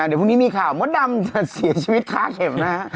เดี๋ยวพรุ่งนี้มีข่าวมดดำจะเสียชีวิตค้าเข็มนะฮะ